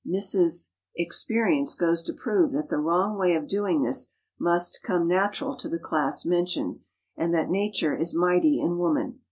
"Mrs. ——'s" experience goes to prove that the wrong way of doing this must "come natural" to the class mentioned, and that Nature is mighty in woman.